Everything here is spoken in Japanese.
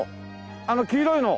あの黄色いの！